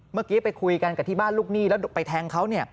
เมื่อกี้ไปคุยกันกับที่บ้านลูกหนี้แล้วไปแทงเขา